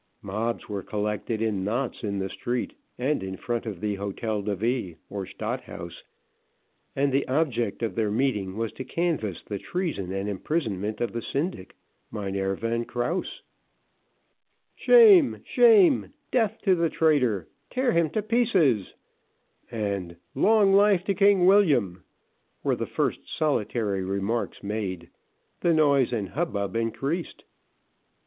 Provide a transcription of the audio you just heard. Mobs were collected in knots in the street, and in front of the Hotel de Ville, or Stadt House, and the object of their meeting, was to canvas the treason and imprisonment of the syndic, Mynheer Van Krause. "Shame shame," "Death to the traitor," "Tear him to pieces," and "Long life to King William," were the first solitary remarks made the noise and hubbub increased.